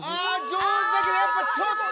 上手だけどやっぱちょっと。